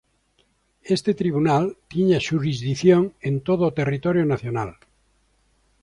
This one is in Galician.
Este tribunal tiña xurisdición en todo o territorio nacional.